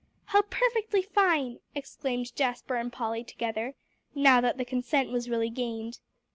"How perfectly fine!" exclaimed Jasper and Polly together, now that the consent was really gained.